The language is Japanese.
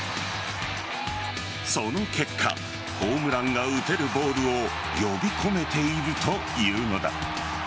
その結果ホームランが打てるボールを呼び込めているというのだ。